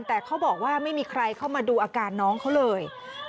แต่เขาบอกว่าไม่มีใครเข้ามาดูอาการน้องเขาเลย